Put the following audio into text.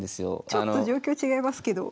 ちょっと状況違いますけど。